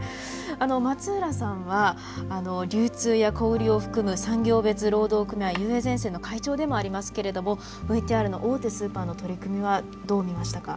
松浦さんは流通や小売りを含む産業別労働組合ＵＡゼンセンの会長でもありますけれどもＶＴＲの大手スーパーの取り組みはどう見ましたか？